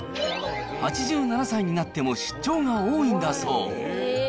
８７歳になっても出張が多いんだそう。